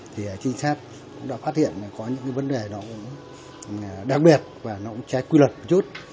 thì trinh sát đã phát hiện có những vấn đề đặc biệt và trái quy luật một chút